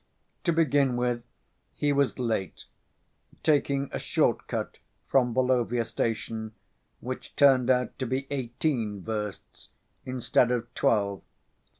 To begin with, he was late, taking a short cut from Volovya station which turned out to be eighteen versts instead of twelve.